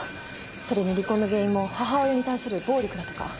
それに離婚の原因も母親に対する暴力だとか。